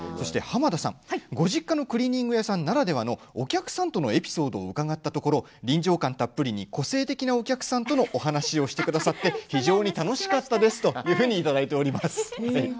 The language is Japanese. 濱田さんご実家のクリーニング屋さんならではのお客さんとのエピソードを伺ったところ臨場感たっぷりに個性的なお客さんとのお話をしてくださって非常に楽しかったですといただいております。